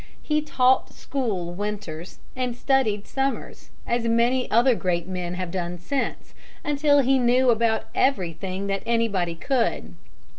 He taught school winters and studied summers, as many other great men have done since, until he knew about everything that anybody could.